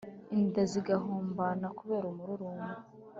Inda zigahombana kubera umururumba